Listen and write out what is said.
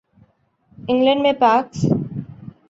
England میں پاکس